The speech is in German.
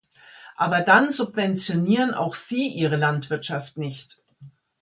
Aber dann subventionieren auch Sie Ihre Landwirtschaft nicht.